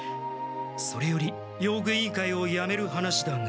それより用具委員会をやめる話だが。